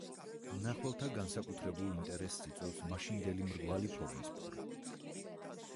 მნახველთა განსაკუთრებულ ინტერესს იწვევს მაშინდელი მრგვალი ფორმის პური.